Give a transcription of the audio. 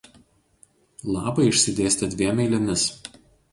Lapai išsidėstę dviem eilėmis.